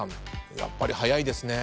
やっぱり早いですね。